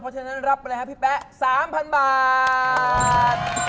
เพราะฉะนั้นรับไปเลยฮะพี่แป๊สามพันบาท